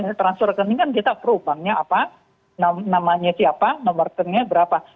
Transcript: transfer rekening kan kita pro banknya apa namanya siapa nomor rekeningnya berapa